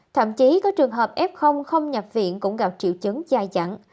thậm chí có trường hợp f không nhập viện cũng gặp triệu chấn dài dặn